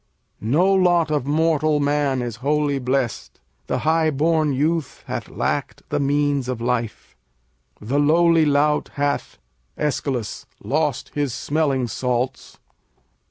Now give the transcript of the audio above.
No lot of mortal man is wholly blest: The high born youth hath lacked the means of life, The lowly lout hath Æsch. lost his smelling salts.